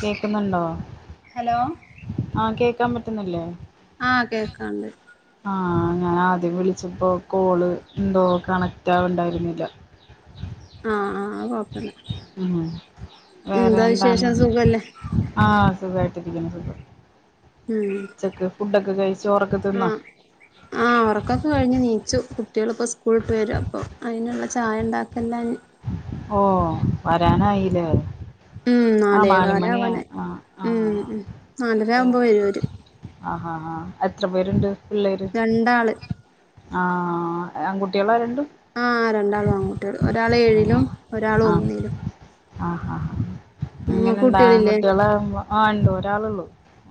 കേക്കുന്നുണ്ടോ ഹലോ ആ കേക്കാൻ പറ്റുന്നില്ലേ ആഹ് കേക്കാണ്ട് ആഹ ഞാൻ ആദ്യം വിളിച്ചപ്പോ കോള് ഇന്തോ കണക്റ്റ് ആവുണ്ടായിരുന്നില്ല [inaudible] ആ ആ ഉം വേറെ എന്താ വിശേഷം എന്താണ്- സുഖല്ലേ ആഹ് [unintelligible] [unintelligible] ഉം ഉച്ചക്ക് ഫുഡൊക്കെ കഴിച്ചു ചോറൊക്കെ തിന്ന ആഹ് ആഹ് ഉറക്കൊക്കെ കഴിഞ്ഞ് നീച്ചു കുട്ടികളിപ്പോ സ്കൂളിട്ട് വരും അപ്പൊ അതിനുള്ള ചായ ഉണ്ടാക്കൽലാണ് ഓ- വരാനായില്ലേ ഉം ആഹ നാല് മണിയാ നാലേകാലാവാനായി ആഹ ആഹ ഉം ഉം നാലര ഏ ആവുമ്പോ വരും ഓര് [inaudible] ആഹാ ആ എത്ര പേരുണ്ട് രണ്ടാള് ആഹ ആൺകുട്ടികള രണ്ടും ആഹ് ഒരാൾ ഒന്നിലും ആഹ ആ ഉം ഇങ്ങക്ക് ഇങ്ങനെണ്ടവും കുട്ടികളില്ലേ ആണ്കുട്ടികളാവുമ്പ ആ ഉണ്ട് ഒരാളള്ളൂ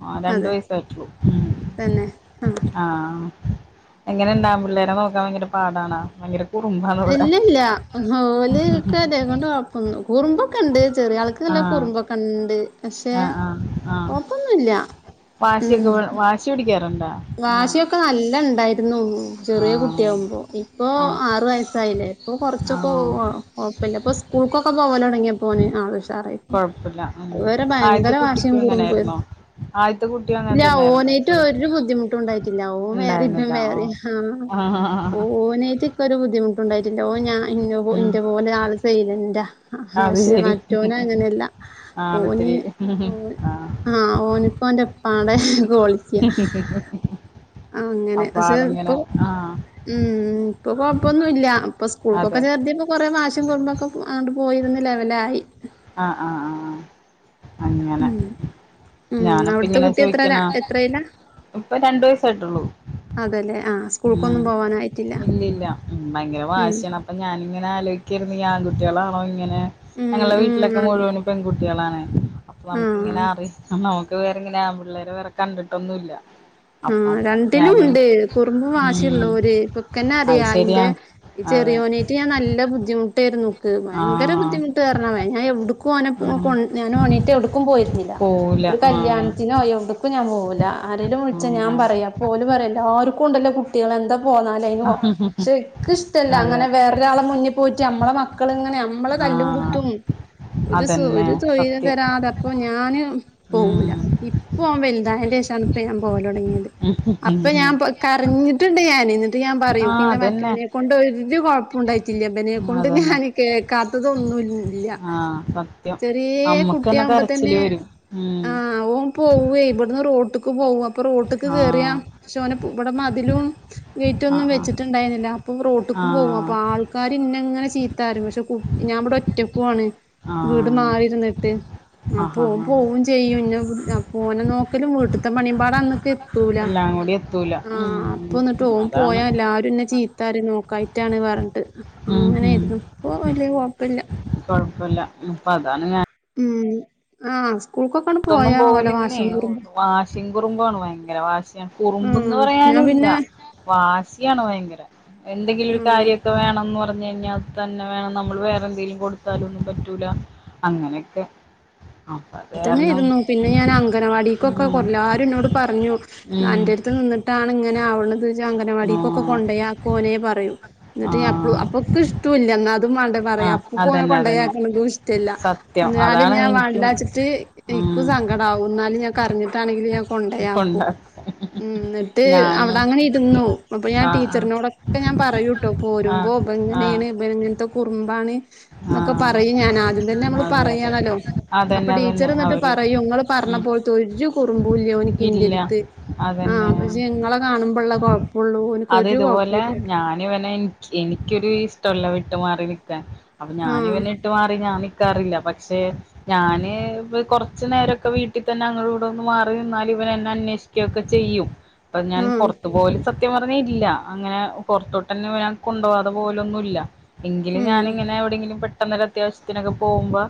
ആ രണ്ട അതെ വയസ്സായിട്ടുള്ളൂ മ്മ് തന്നെ ആഹ് ആ എങ്ങനെ ഇണ്ടാവകൻ പിള്ളേരെ നോക്കാൻ ഭയങ്കര പാടണാ ഭയങ്കര കുറുമ്പാണ് ഇവിടെ ഇല്ല ഇല്ല ല് ഓല് ഓലെ കൊണ്ട് കൊഴപ്പന്നു കുറുമ്പൊക്കെ ഉണ്ട് ചെറിയ ആൾക്ക്ല്ലാം നല്ലം ആഹ് കുറുമ്പൊ കണ്ട് പക്ഷെ ആഹ് ആഹ് ആഹ് കൊഴപ്പൊന്നുല്ല ഉം വാശിയൊക്കെ വാശി പിടിക്കാറുണ്ടാ ഇങ്ങനെ വാശിയൊക്കെ നല്ല ഉണ്ടായിരുന്നു ചെറിയ ആഹ് കുട്ടിയാകുമ്പോ ഇപ്പോ ആഹ് ആറു വയസ്സായില്ലേ ഇപ്പൊ കുറച്ചൊക്കെ ആഹ് കുഴപ്പല്ല ഇപ്പൊ സ്കൂൾക്കൊക്കെ പോവല തുടങ്ങിയപ്പോന് ആള് ഉ കൊഴപ്പല്ല മ്മ് ആദ്യത്തെ വാശിയും കുട്ടിക്കും അങ്ങനെ കുറുമ്പേരുന്നു ആയിരുന്നോ ആദ്യത്തെ കുട്ടിയും അങ്ങനെ തന്നെയായിരുന്നു ഒരു ബുദ്ധിമുട്ടണ്ടായിട്ടില്ല ഓ വേറെ ഇം വേറെ ആ ആഹ് ആഹ് ഓനായിട്ടക്കെ ഒരു ബുദ്ധിമുട്ട് ണ്ടായിട്ടില്ല ഞാൻ ഇ ഉം ഇന്റെ പോല ആള് സൈലന്റാ അത് പക്ഷെ ശരി മറ്റോന അങ്ങനെയല്ല- ഓനി ആളിത്തിരി ഓ ആ ആഹ ഓനിക്കോന്റെ- പ്പാടെ [inaudible] ആ അങ്ങനെ അപ്പൊ പക്ഷെ ആളിങ്ങനെ ഇപ്പൊ ആ മ്മ് ഇപ്പൊ കൊഴപ്പൊന്നുംല്ല കുറുമ്പൊക്കെ അതെ [unintelligible] കൊറെ വാശി കൊറമ്പൊക്കെ അണ്ട് പോയിരന്ന് ലെവലായി ആഹ് ആഹ ആഹ അങ്ങനെ ഉം ഞാനപ്പ അവിടുത്തെ ഇങ്ങനെ കുട്ടി എത്രേലാ ചോദിക്കണ എത്രയിലാ ഇപ്പ രണ്ടു വയസായിട്ടുള്ള അതെല്ലേ ആഹ് മ് സ്കൂൾക്കൊന്നും പോവാനായിട്ടില്ല ഇല്ലല്ല ഭയങ്കര ഉം വാശിയാണ് അപ്പൊ ഞാന ഇങ്ങനെ ആലോചിക്കരുന്നു ആൺകുട്ടികളാണോ ഇങ്ങനെ- ഉം ഞങ്ങളുടെ വീട്ടിലൊക്കെ ഉം മുഴുവനും പെൺകുട്ടികളാണ് അപ്പൊ നമുക്കിങ്ങനെ ആഹ് അറി നമുക്ക് വേറെങ്ങനെയാ ആൺപിള്ളേരെ വേറെ കണ്ടിട്ടൊന്നുല്ല ആ അപ്പൊ അതാണ് രണ്ടിലും ഞാന് ഉണ്ട് കുറുമ്പ് ഉം വാശിയുള്ളൂര് ഇപ്പൊ ഇക്കന്നെ അത് അറിയാ ശരിയാണ് ഇന്റെ- അതെ ചെറിയോനേറ്റ് ഞാൻ നല്ല ബുദ്ധിമുട്ടായിരുന്നു ആ ഭയങ്കര ബുദ്ധിമുട്ട് കാരണേ ഞാൻ എവിടുക്കും ആ ഞാൻ ണീട്ട എവിടുക്കും പോയിരുന്നില്ല പോവൂല ഒരു ആഹ് കല്യാണത്തിനോ എവിടക്കും ഞാൻ പോവില്ല ആരേലും ച്ച ഞാൻ പറയാ ഓല് പറയും എല്ലാർക്കും ഉണ്ടല്ലോ കുട്ടിൾ എന്താ [unintelligible] ആഹ് ഇൻക്ക് ഇഷ്ടല്ല അതെ അങ്ങനെ വേറൊരാളെ മുന്നിൽ പോയിട്ട് നമ്മളെ മക്കള ഇങ്ങനെ നമ്മ തല്ലും ആഹ് കുത്തും ഒരു അതന്നെ ഒരു സൊയിരം സത്യം തരാതെപ്പോ ഞാന് പോവൂല ഉം ഇപ്പൊ വലുതായ [unintelligible] ഇപ്പൊ ഞാൻ പോവാൻ തുടങ്ങിയത് അപ്പൊ ഞാൻ കരഞ്ഞിട്ടുണ്ട് ഞാൻ ഇന്നിട്ട് ഞാൻ പറയൂ ആഹ് ഇന്റെ അതന്നെ മറ്റവനെ കൊണ്ട് ഒരു കൊഴ ഉണ്ടായിട്ടില്ല ബനെ കൊണ്ട് അതന്നെ ഞാൻ കേക്കാത്തതൊന്നും ല്ല ആഹ് സത്യം ചെറിയ അമ്മക്കന്നെ കുട്ടിയകുമ്പോ കരച്ചില് തന്നെ വരും ഉം ആ ഓൻ പോവ ഇബ് അപ്പൊ റോട്ട്ക്ക് കേറിയ ആഹ് പക്ഷ ഓ ന ഇവിടെ മതിലും ഗേറ്റും ആഹ് ഒന്നും വെച്ചിട്ടുണ്ടരുന്നില്ല അപ്പൊ റോട്ട് ആഹ് പോകും അപ്പ ആഹ് ആൾക്കാരിന്നങ്ങനെ ചി ചീത്താരും പക്ഷെകുട്ട് ഞാൻ ഇവടെ ഒറ്റക്കാണ് വീട് മാറിരുന്നിട്ട് ആ ആഹ് പോ ആഹ് ആഹ് പോകവും ചെയ്യും ഇന്ന പോനെ നോക്കലും വീട്ടിലത്തെ പണിയമ്പാട അന്നക്കെ ല എല്ലാം കൂടി എത്തൂല ആ ഉം അപ്പ ഒന്നിട്ട് ഓൻ പോയ അതാണ് എല്ലാരുംന്ന ചീ ആരും നോക്കായിട്ടാണ് പറഞ്ഞിട്ട് ഉ ഉ അങ്ങനെയായിരുന്നു ഇപ്പൊ വല്യ കൊഴപ്പല്ല കൊഴപ്പല്ല അപ്പ അതാണ് കാര ഉം ആ് സ്കൂൾക്കൊക്കെയാണ് ഇതൊന്നും പോയ പോവൂല ഓലെ ഇങ്ങനെ വാഷിം കുറുമ്പ് വാശിയും കുറുമ്പാണ് ഭയങ്കര വാശിയാണ് കുറുമ്പ്ന്ന് ആഹ് ഞാൻ പറയാനുംല്ല പിന്നെ വാശിയാണ് ഭയങ്കര എന്തെങ്കിലും ഒരു ആഹ് കാര്യമൊക്കെ വേണംന്ന് പറഞ്ഞ ഞ ഞ അ തന്നെ വേണം നമ്മൾ വേറെ എന്തേങ്കിലും കൊടുത്താല ഒന്നും പറ്റൂല അങ്ങനെയൊക്കെ ആ അ തന്നെ ഇരുന്നു പിന്നെ ഞാൻ അംഗൻവാടിക്കൊക്കെ ഉം എല്ലാരും ന്നോട് പറഞ്ഞു ഉം അന്റെ ടുത്ത് നിന്നിട്ട് ഇങ്ങനെ ആവണത് ജ്ജ് അംഗനവാടി ക്കൊക്കെ ആഹ് കൊണ്ടേ ആക്കോനേ പറയും എന്നിട്ട ആഹ് അപ്പൊക്കെ ഇഷ്ട ഇല്ല എന്നാ അതും വാണ്ട പറയാ ആഹ് അപ്പൊ ഓനെ അതന്നെ അതന്നെ കൊണ്ടക്കണതും ഇഷ്ടല്ല സത്യം എന്നാലും അതാണ് ഞാൻ എനിക്കും വാണ്ടിലാച്ചിട്ട് എനിക്കും ഉം സങ്കടാവും ന്നാലും ഞാൻ കറിഞ്ഞിട്ടാണെങ്കിലും ഞാൻ ഇപ്പ കൊണ്ടയാക്കും ഉണ്ടാക്ക മ് ന്നിട്ട് ഞാന് അവിടെ അങ്ങനെ ഇരുന്നു അപ്പൊ ഞാൻ ആഹ് ആഹ് ടീച്ചറിനോടൊക്കെ ഞാൻ പറയൂ ട്ടോ ആഹ് പോരുമ്പോൾ ഇബ ആഹ് ങ്ങനെയാണ് ഇനെ കുറുംബ ആ ന്നൊക്കെ പറയും ഞാൻ ആദ്യം തന്നെ നമ്മള് അതെ അതെ പറയണല്ലോ അപ്പൊ അതന്നെ ടീച്ചർ അതന്നെ ന്നിട്ട് അവര് പറയും ഇങ്ങൾ പറഞ്ഞ ഉം പോലത്തെ ഒരു കുറുമ്പൂല്ല ഓനിക് ഇല്ല എന്റടുത്ത് ആഹ് അതന്നെ ജ് ങ്ങളെ കാണുമ്പോള്ള കൊഴപ്പള്ളൂ അത് ഓനിക്കൊരു ഇതുപോലെ കൊഴപ്പല്ല ഞാനിവനെ എനിക്കൊരു ഇഷ്ടല്ല വിട്ട് മാറി നിക്കാൻ അപ്പൊ ഞാൻ ആഹ് ഇവനെ വിട്ട് മാറി ഞാൻ നി ക്കാറില്ല പക്ഷെ ഞാന് കൊറച്ചു നേരൊക്കെ വീട്ടിൽ തന്നെ അങ്ങോടും ഇങ്ങോട് ഒന്ന് മാറി നിന്നാലും ഇവനെന്നെ അന്വേഷിക്കുകൊക്കെ ചെയ്യും അപ്പൊ ഞാൻ ആഹ് പുറത്തുപോലും സത് സത്യം പറഞ്ഞ ഇല്ല അങ്ങനെ പുറത്തോട്ട്ന്നെ ഒരാൾ കൊണ്ടുപോവാതെ പോലൊന്നും ഇല്ല എങ്കിലും ഉം ഞാനിങ്ങനെ എവിടെയെങ്കിലും പെട്ടെന്നൊരു അത്യാവശ്യത്തിനൊക്കെ പോകുമ്പോ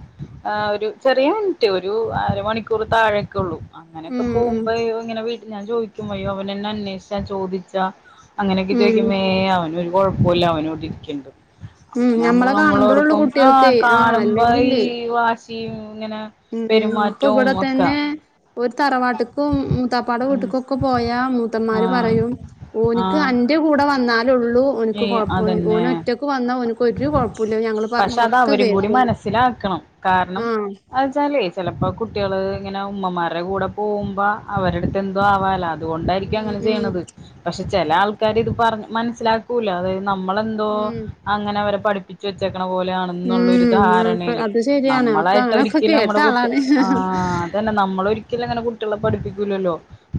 ആ ഒരു ചെറിയ മിനിറ്റ് ഒരു അരമണിക്കൂർ താഴേക്കുള്ളൂ അങ്ങനെയൊക്കെ ഉം ഉം പോകുമ്പോ ഇങ്ങനെ വീട്ടിൽ ഞാൻ ചോദിക്കും അയ്യോ അവൻ എന്നെ അന്വേഷിച്ചാ ചോദിച്ചാ അങ്ങനെയൊക്കെ ഉം ചോദിക്കുമ്പേ ഏയ് അവനൊരു കുഴപ്പില്ല അവന ഒടരിക്കണ്ട് ഉം അപ്പൊ ഞാൻ ഞമ്മളെ കാണുമ്പോഴൊള്ളു കേറുമ്പോ ആ കുട്ടികൾക്കേ ആഹ് കാണുമ്പോ ഈ അല്ലെങ്കില്ലേ വാശിയ ഉം ഇപ്പൊ ബടത്തന്നെ ഒരു തറവാട്ടക്കും മൂത്താപ്പാട ഉം വീട്ടക്കൊക്കെ പോയാ മൂത്തന്മാര് ആഹ് പറയും ഓനിക്ക് ആഹ് അഞ്ച് ന്റെ കൂടെ വന്നാലള്ളൂ ഓനിക്ക് ഏ കൊഴപ്പ ഓൻ അതന്നെ ഒറ്റക്ക് വന്നാ ഓനിക്ക് ഒരു കൊഴപ്പല്ല ഞങ്ങള് പക്ഷെ അത് പറഞ്ഞതൊക്കെ അവരും കൂടി കേൾക്കും മനസ്സിലാക്കണം കാരണം അത് വെച്ചാലേ ചിലപ്പോ കുട്ടികള് ഇങ്ങനെ ഉമ്മമാരുടെ കൂടെ പോകുമ്പോ അവരെടുത്ത് എന്തും ആവാല്ലോ അതുകൊണ്ടായിരിക്കും ഉം അങ്ങനെ ഉം ചെയ്യണത് പക്ഷെ ചെല ആൾക്കാര് ഇത് മനസ്സിലാക്കൂല അതായ നമ്മളെന്തോ അങ്ങനെ അവരെ പഠിപ്പിച്ചു വെച്ച പോലെയണെന്നുള്ള ഒരു ഉം ഉം ധാരണയില് അത് ശരിയാണ് ഒക്കെ നമ്മളായിട്ട് അങ്ങനൊക്കെ ഒരിക്കലും കേട്ട നമ്മുടെ കുട്ടി ആളാണ് ആ തന്നെ നമ്മള് ഒരിക്കലും അങ്ങനെ കുട്ടികളെ പഠിപ്പിക്കൂല്ലല്ലോ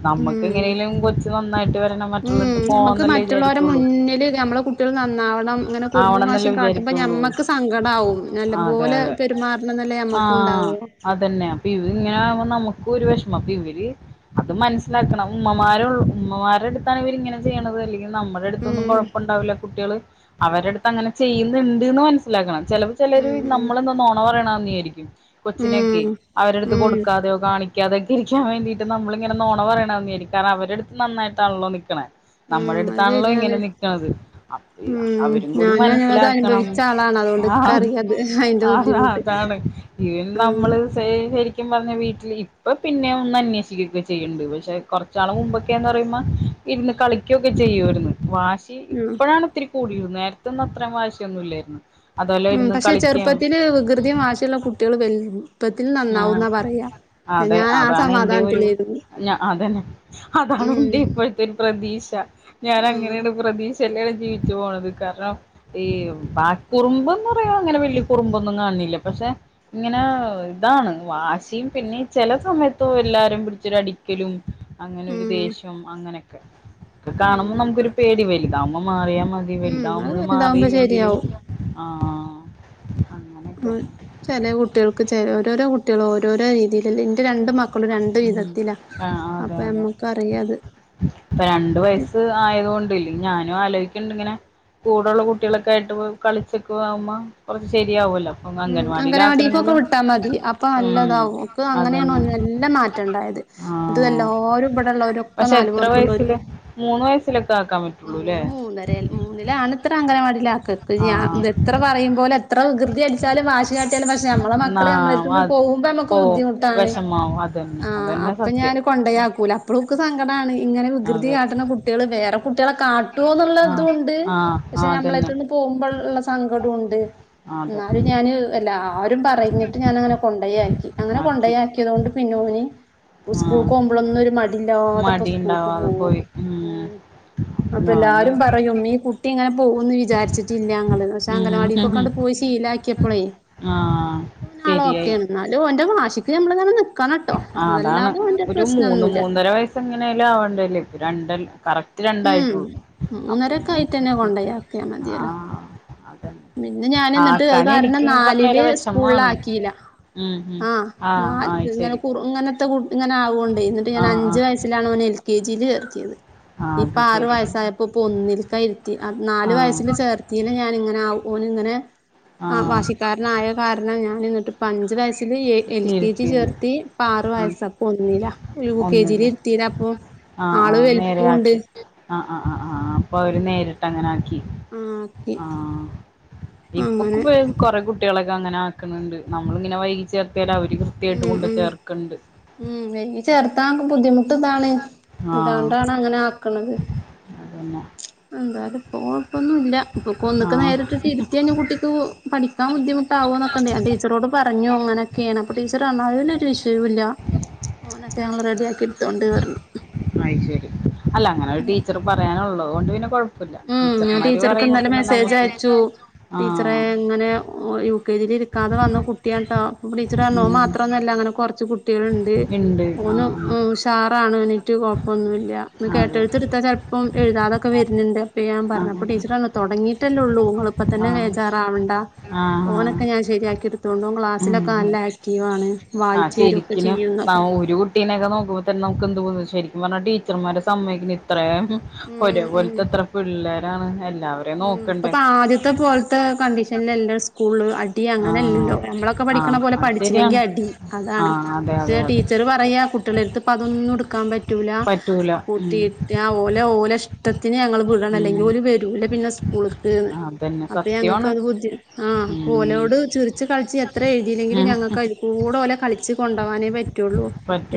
നമ്മുക്ക് ഉം എങ്ങനെലും കൊച്ച് നന്നായിട്ട് വരണം മറ്റുള്ളവർക്ക് പോവാന്നല്ലേ വിചാരിക്കുള്ളൂ [unintelligible] നമ്മടെ കുട്ടികൾ നന്നാവണം അങ്ങനെ കുറുമ്പും വാശിയും ആവണന്നല്ലേ കാട്ടുമ്പോൾ വിചാരിക്കുള്ളൂ ഞമ്മക്ക് സങ്കടാവും നല്ലപോലെ ആഹ അതന്നെ അപ്പ ഇതിങ്ങനെയാവുമ്പോ നമുക്ക് ഒരു വിഷമം ഇവര് അത് മനസ്സിലാക്കണം ഉമ്മമാര ഉമ്മമാരുടെ അടുത്താണ് ഇവരിങ്ങനെ ചെയ്യണത് അല്ലെങ്ക നമ്മുടെ അടുത്തൊന്നും ഉം കുഴപ്പുണ്ടാവില്ല കുട്ടികള് അവരുടെ അടുത്ത് അങ്ങനെ ചെയ്യുന്നുണ്ട്ന്ന് മനസ്സിലാക്കണം ചിലപ്പോ ചിലർ ഉം നമ്മളെന്താ നൊണ പറയണത ന്ന് വിയാരിക്കും ഉം കൊച്ചിനെക്കെ ഉം അവരടുത്ത് ഉം കൊടുക്കാതെയോ കാണിക്ക അതൊക്കെ ഇരിക്കാൻ വേണ്ടീട്ട് നമ്മളിങ്ങനെ നോണ പറയണന്നരിക്ക കാരണം അവര അടുത്ത് നന്നായിട്ടാണല്ലോ നിക്കണേ ഉം നമ്മുടെ അത് അടുത്താണല്ലോ ഇങ്ങനെ ശരിയാണ് നി ഉം അവരും കൂടി ഞാന് അത് മനസിലാക്കണം അനുഭവിച്ച ആളാണ് അതുകൊണ്ട് ആ ഇക്കറിയാത് അയിന്റെ അല്ല ബുദ്ധിമുട്ട് അതാണ് ഇവന് ഉം നമ്മള് ശരിക്കും പറഞ്ഞ വീട്ടില്- ഇപ്പ പിന്നെ ഒന്ന് അന്വേഷിക്കുകൊക്കെ ചെയ്യുന്നുണ്ട് പക്ഷെ കുറച്ചാള് മുമ്പൊക്കെ എന്ന് പറയുമ്പോ ഇരുന്ന് കളിക്കൊ- ചെയ്യരുന്നു വാശി ഉം ഇപ്പോഴാണ് ഒത്തിരി കൂടിയത് നേരത്തൊന്നും അത്രയും വാശിയൊന്നുമല്ലായിരുന്നു. ഉം പക്ഷെ ചെറുപ്പത്തില്ൽ വികൃതിയും ആാശിയുള്ള കുട്ടികൾ വെലുപ്പത്തിൽ നന്നാവു ആഹ് ന്ന പറയാ. അതെ ഞാൻ ആ അതാണ് എൻറെ ഒരു സമാധാനത്തിലായിരുന്നു ഞ അതന്നെ അതാണ് ഉം എന്റെ ഇപ്പോഴത്തെ ഒരു പ്രതീ- ഞാൻ ഉം അങ്ങനെയാണ് പ്രതീ- ചല്ലും ജീവിച്ചു പോണത് കാരണം ഈ ബ കുറുമ്പ് എന്ന് പറയാോ അങ്ങനെ വലിയ കുറുമ്പൊന്നും കാണ- പക്ഷെ ഇങ്ങനെ. ഇതാണ് വാശിയും പിന്നെ ചില സമയത്തോ എല്ലാരും പിടിച്ചരു അടിക്കലും. അങ്ങനെ ഒരു ഉം ദേഷ്യം അങ്ങനെയൊക്കെ ഒക്കെ കാണുമ്പോൾ ഉം നമുക്കരു പേടി വലുതാവകുമ്പോ മാറിയ- മതി ഉം അത് വലുതാവകുമ്പോഴും വലുതാവുമ്പോ മാറിയില്ലെങ്കില് ശരിയാവും ആഹ് - ചില കുട്ടികൾക്ക് ച ഓരോരോ കുട്ടികൾും ഓരോരോ രീതിൽ എന്റെ രണ്ട് മക്ക - മക്കള് രണ്ട് ഉം വിധത്തിലാ അപ്പൊ നമ്മക്ക് അറിയത്- ഇപ്പ രണ്ട വയസ്സ് ആയത കൊണ്ടല്ല ഞാനും ആലോചിക്കണ്ട ഇങ്ങനെ. കൂടെള്ള കുട്ടികളൊക്കെ ആയിട്ട് കളിച്ചൊക്കെ ആവുമ്പോ കുറച്ച് ശരിയാവല്ലോ. മ് അംഗനവാടിക്കൊക്കെ വിട്ടാ മതി അപ്പൊ ഉം നല്ലതാവും ക്കാ അതന്നെ അങ്ങനെയാണോല്ല നല്ല മാറ്റം ഉണ്ടായത് അത് ആഹ് എല്ലരും ഇവിടെള്ളവരൊക്കെ പക്ഷെ നാല് എത്ര പൊറത്തുള്ളോരും വയസ്സില് - മൂന്ന് വയസ്സിലൊക്കെ ആക്കാൻ പറ്റുള്ളൂ ല്ലേ മൂന്ന് മൂന്നര മൂന്നില അണത്ര അങ്ങാണ- ആഹ് ഞാൻ എത്ര പറയുമ്പോല എത്ര വികൃതി- ചാലും വാശ കാട്ടിയാലും പക്ഷെ നമ്മള ന്നാ മക്കള് നമ്മള നിന്ന് അത് പോകുമ്പോ നമുക്ക് പോവും ബുദ്ധിുട്ടാണ്. വിഷമാവും അതന്നെ ആഹ് അതന്നെ അപ്പൊ സത്യം ഞാന് കൊണ്ടയാക്കൂല അപ്പളും ഇൻക് - ഇങ്ങനെ വികൃതി അതെ കാട്ടുന്ന കുട്ടികൾ വേറെ കുട്ടികളെ കാട്ടുവോ എന്നുള്ള ആഹ് തുണ്ട് ആഹ് പക്ഷെ ആഹ് നമ്മള അതന്നെ ട്തന്ന് പോ - പോകുമ്പോൾ ഉള്ള സങ്കഡോണ്ട്. ആ അതെ. അവര് ഞാന് എല്ലാരും പറഞ്ഞിട്ട് ഞാനങ്ങനെ കൊണ്ടയാക്കി അങ്ങനെ ആക്കി കൊണ്ടയാക്കിയത് കൊണ്ട് പിന്നോണ് - ആഹ് സ്കൂൾക്ക് പോകുമ്പോളൊന്നും ഒരു മടില്ലാതെ ഇപ്പോ മടി സ്കൂൾക്ക് ഉണ്ടാവാതെ പോകും പോയി ഉം മ്. അപ്പൊ ഞാന് എല്ലാരും പറയും നീ കുട്ടി ഇങ്ങനെ- പോകു വിചാരിട്ടില്ല ങ്ങള് പക്ഷെ ഉം അങ്കൻവാടിക്കണ്ട് പോയി ശീലാ - ക്യപ്പളേ ആഹ് ഓനാൽ ഒക്ക ശരിയായി എന്നാലും ഓന്റെ വാഷിക്ക് നമ്മൾ- ആ അതാണ് ഒരു മൂന്ന് മൂന്നര വയസ്സ എങ്ങനൊലും ആവണ്ടല്ലേ രണ്ടല്ല കറക്റ്റ്- ഉം രണ്ടായിട്ടുള്ള ആ മൂന്നരൊക്കെ പിന്നെ ആയിട്ടന്നെ കൊണ്ടയാക്കിയാ മതിയല്ലോ ആ- അതെ പിന്നെ ഞാൻ എന്നിട്ട് അത് ആക്കാനി കാരണം എനിക്ക് പറഞ്ഞല നാലില് വിഷമമാണ്. സ്കൂളിലാക്കിയില്ല മ് മ് ആഹ് ആ ശരി. കു ഇങ്ങനത്തെ കു ഇങ്ങനെ ആവുകൊണ്ട എന്നിട്ട് ഞാൻ ആഹ് അഞ്ച് ആഹ് വയസ്സിലാണ് ഓനെ എൽ കെ ജിയിൽ ചേർയത്. ആഹ് ഇപ്പൊ അത് ആറു ശരി വയസായപ്പോൊ പൊന്നില്ക്ക ഇരുത്തി. നാല് ആഹ് വയസ്സില് ചേർത്തിൽ ഞാൻ ഇങ്ങനെ ഓനങ്ങനെ- ആ ആഹ് വാശിക്കാരനായ കാരണം ഞാനിന്നിട്ട് പ്പ അഞ്ച വയ- എൽ കെ ജി ഇരുത്തിയത് ചേർത്തി ഇപ്പ ആറു ആഹ് വയസ്സപ്പ ഒന്നില്ല യൂ കെ ജിൽ ഒന്നില് ഇരുത്തില്ല അപ്പൊ. ആള് വലുപ്പുണ്ട്. ആ ആഹ അപ്പൊ അവര് നേരിട്ട് അങ്ങനെ ആക്കി ആഹ് ഓക്കെ ആഹ്. ഇപ്പൊക്ക അങ്ങനെ കുറെേ കുട്ടികളൊക്കെ അങ്ങനെ ആക്കുന്നുണ്ട് നമ്മള ഇങ്ങനെ വൈകി ചേർ - മ് മ് എനി ചേർത്താക്ക് ബുദ്ധിമുട്ട് ഇതാണ് ആഹ് ഇതാണ്ടാണ് അങ്ങനെ ആക്കണത് അതന്നെ എന്തായാലപ്പോ- ഇപ്പൊന്നും ഇപ്പൊ ഒക്ക് ആഹ് നേരിട്ട ഇത്തിയഴഞ്ഞ കുട്ടിക്ക് പഠിക്കാൻുദ്ധിമുട്ടകോ ന്നൊക്കെണ്ട ഞാൻ ടീച്ചരോട് - പറഞ്ഞു അങ്ങനൊക്കെണ്. ടീച്ചറ് പറഞ്ഞു അയിനൊരുവിഷയില്ല അങ്ങനൊക്കെ ഞങ്ങള്ൾ റെഡിയ ക്കി എടുത്തൊണ്ട് പറഞ്ഞു അഹ് ശെരി അല്ല അങ്ങനെ ഒരു ടീച്ചർ പറയാനുള്ളത് കൊണ്ട് പിന്നെകുഴ മ് ഞാൻ ടീച്ചർക്ക് ഇന്നലെ മെസ്സേജ് അയച്ചു ടീച്ചറെ ആഹ് ഇങ്ങനെ- ഇതിൽ ഇരിക്കാതെ വന്നു കുട്ടിയ ട്ടൊ അപ്പൊ ടീച്ചർറഞ്ഞു ഉം ഓമാത്രംന്നുമല്ല അങ്ങനെ കുറച്ച് കുട്ട- കുട്ടികളുണ്ട് ഇണ്ട് ഓന ആഹ് ഉഷാറാണ്. ഒന്നും ഇല്ല അതെ കേട്ടെടുത്ത് എടുത്താൽ ചിലപ്പം എഴുതതൊക്കെ വരുന്നുണ്ട്. ആ ഞാൻപറഞ്ഞഅപ്പൊ ടീച്ചർപറഞ്ഞ് തുടങ്ങിട്ടല്ലേള്ളൂ നിങ്ങൾ ഇപ്പ ആ തന്നെ വേജാറാവണ്ട. ആ ആ ഫോനൊക്കെ ഞാൻ ശരിയാക്കി എടുത്തൊണ്ടും ക്ലാസ്സിലൊക്കെ ഉം നല്ല ആക്റ്റീവ് ആണ് ആ വായിച്ച്രും രു ഒഒക്കെ ശരിക്കിനും ചെയ്യുന്ന.. ആ ഒരു കുട്ടീനെയൊക്കെ നോക്കുമ്പോ തന്നെ നമുക്ക് എന്ത് തോന്നും ശരിക്കും പറഞ്ഞൽ ടീച്ചർമാരെ സമ്മയക്കന് ഇത്ര.. ഉ ഉം ഒരേപോലത്തെ എത്ര പിള്ളേരാണ് എല്ലാവരും. ഉ ഇപ്പ ആദ്യത്തെ പോലത്തെ കണ്ടീഷനൽല്ല സ്കൂളില് ആ അങ്ങനെല്ലല്ലോ നമ്മളൊക്കെ ആ പഠിക്കണ പോലെ അത് ശരിയാണ് പഠിച്ചില്ലെങ്കിൽ അടി ആ അതാണ് അതെ അതെ അതെ ടീച്ചർ പറയാ.. കുട്ടികളടുത്ത്അതൊന്നും എടുക്കാൻ പറ്റൂ ല പറ്റൂല ഉം കുട്ടിഓല ഓല ഇഷ്ടത്തിന് ഞങ്ങൾ. ഉം അല്ലെങ്കിൽവരൂല സ്കൂളിലേക്ക് ന്ന് അതന്നെ അപ്പോ ഞങ്ങൾക്ക് സത്യമാണ് അത് ബുദ്ധി അ ഒ ഉം ാല് ചിരിച്ചു കളിച്ചു എത്ര എഴുതിയില്ലെങ്കിലും ഉം ഞങ്ങൾക്ക് അതിൽ കൂടെ ഓലെ കളിച്ചകൊണ്ടോവാനെ പറ്റുള്ളൂ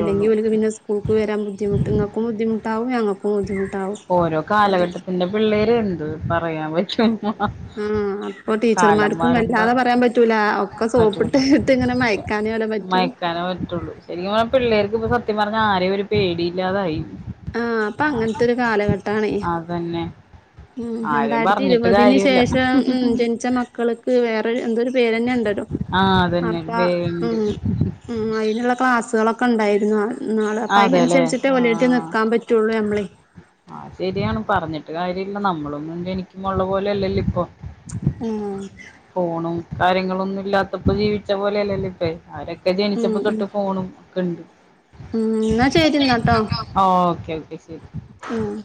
അല്ലെങ്കിൽ ഓലക്ക് പിന്നെ സ്കൂൾക്ക് വരാൻ ബുദ്ധിമുട്ട് ഇങ്ങൾക്കും ബുദ്ധിമുട്ടാവും ഞങ്ങൾക്കും ബുദ്ധിമുട്ടാവും അത് എന്റെ പിള്ളേര് എന്ത് പറയാൻ പറ്റു,,, ആഹ് അപ്പൊ ടീച്ചർമാർക്കും കാലമാറുബ വല്ലാതെ പറയാൻ പറ്റൂല ഒക്കെ സോപ്പിട്ട് പറ്റൂല ഇട്ട് ഇങ്ങനെ മയക്കാനേ ഓലെ പറ്റുള്ളൂ മയക്കാനെ പറ്റുള്ളൂ ശരിക്കും പറഞ്ഞാൽ പിള്ളേര് സത്യം പറഞ്ഞ ആരേ ഒരു പേടിയില്ലാതായി ആഹ അപ്പൊ അങ്ങനത്തെ ഒരു കാലഘട്ടണ അതന്നെ ഉം ആരെയും രണ്ടായിരത്തി പറഞ്ഞിട്ട് ഇരുപതിന് കാര്യമില്ല ശേഷം ഉം ജനിച്ച മക്കൾക്ക് വേറെ എന്തോരു പേര് തന്നെ ഉണ്ടല്ലോ ആ അതന്നെ അപ്പാ വേണ്ട് ഉം ഉം ഒക്കെ ഉണ്ടായിരുന്നു ഇന്നാള് അപ്പോ അതിനനുസരിച്ചിട്ട് ഓലേറ്റ് ആഹ ശരിയാണ് പറഞ്ഞിട്ട മ കാര്യമല്ല നമ്മളൊന്നും എനിക്കും ഉള്ള പോലെല്ലല്ലോ ഇപ്പൊ ഉം ഫോണും കാര്യങ്ങളൊന്നും ഇല്ലാത്തപ്പോ ജീവിച്ച പോലെയല്ലല്ലോ ഇപ്പോ ആരൊക്കെ ഒക്കെ ഉം ജനിച്ചപ്പോ ഉം തൊട്ട് ഫോണും ഒക്കെ ഉണ്ട് ഉം എന്നാ ശരി എന്നാട്ടോ ഓക്കെ ഓക്കെ ശരി ഉം